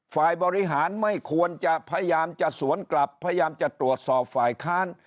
ฝ่ายบริหารไม่ควรจะพยายามจะสวนกลับพยายามจะตรวจสอบฝ่ายค้าน